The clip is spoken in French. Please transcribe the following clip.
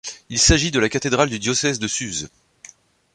Il s'agit de la cathédrale du diocèse de Suse.